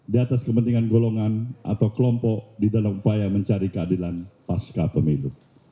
di atas kepentingan golongan atau kelompok di dalam upaya mencari keadilan pasca pemilu